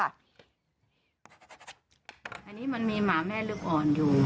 อันนี้มันมีหมาแม่ลูกอ่อนอยู่